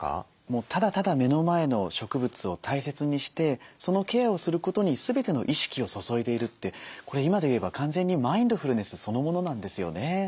もうただただ目の前の植物を大切にしてそのケアをすることに全ての意識を注いでいるってこれ今で言えば完全にマインドフルネスそのものなんですよね。